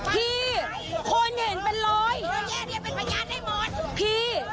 พี่คนเห็นเป็นร้อยพี่นี่เป็นพยานให้หมดพี่นี่ไงอุ้ยคุณนักเน้นมาถูกอฟื้นหรอ